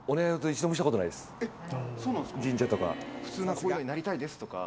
一度もしたことそうなんですか？